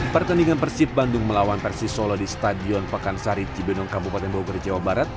pertandingan persib bandung melawan persisolo di stadion pakansari cibenong kabupaten bogor jawa barat